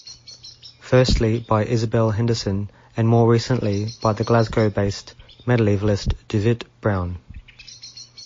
Firstly by Isabel Henderson, and more recently by the Glasgow-based medievalist Dauvit Broun.